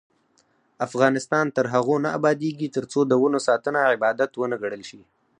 افغانستان تر هغو نه ابادیږي، ترڅو د ونو ساتنه عبادت ونه ګڼل شي.